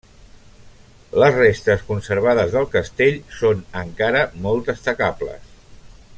Les restes conservades del castell són encara molt destacables.